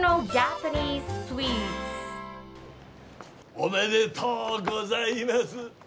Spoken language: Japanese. おめでとうございます。